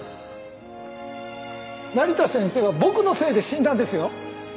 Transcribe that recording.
成田先生は僕のせいで死んだんですよ？